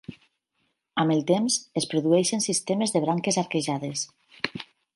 Amb el temps, es produeixen sistemes de branques arquejades.